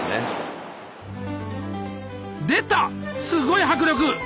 すごい迫力！